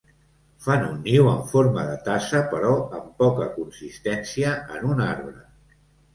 Fan un niu en forma de tassa però amb poca consistència en un arbre.